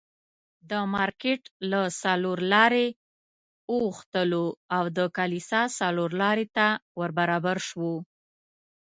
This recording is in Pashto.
د مارکېټ له څلور لارې اوښتلو او د کلیسا څلورلارې ته ور برابر شوو.